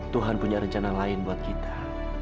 tuhan punya rencana lain buat kita